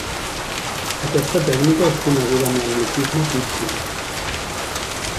Aquesta tècnica és coneguda amb l'anglicisme pírcing.